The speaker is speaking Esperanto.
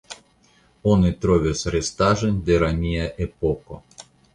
Oni trovis restaĵojn de romia epoko.